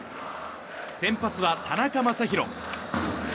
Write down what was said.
先発は田中将大。